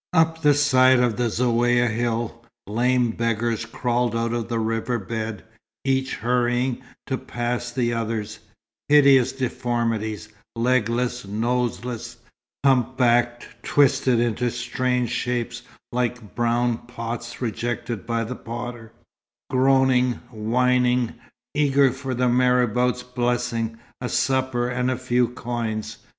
Up the side of the Zaouïa hill, lame beggars crawled out of the river bed, each hurrying to pass the others hideous deformities, legless, noseless, humpbacked, twisted into strange shapes like brown pots rejected by the potter, groaning, whining, eager for the marabout's blessing, a supper, and a few coins.